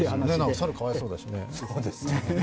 猿、かわいそうだしね。